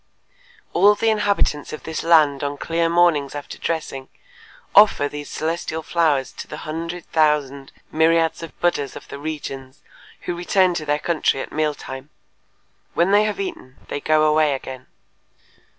All the inhabitants of this land on clear mornings after dressing offer these celestial flowers to the hundred thousand myriads of Buddhas of the regions who return to their country at meal time. When they have eaten they go away again."